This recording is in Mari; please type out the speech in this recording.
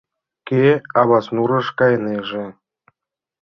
Кӧ Абаснурыш кайынеже?